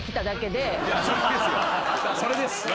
それですよ。